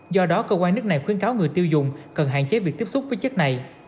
do đó cơ quan nước này khuyến cáo người tiêu dùng cần hạn chế việc tiếp xúc với chất này